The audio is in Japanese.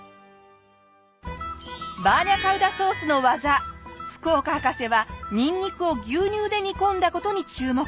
バーニャカウダソースの技福岡博士はニンニクを牛乳で煮込んだ事に注目。